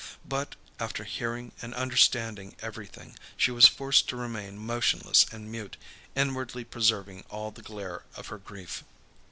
But, after hearing and understanding everything, she was forced to remain motionless and mute, inwardly preserving all the glare of her grief.